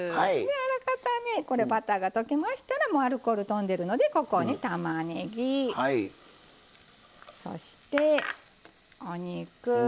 あらかたねバターが溶けましたらもうアルコールとんでるのでここにたまねぎそしてお肉。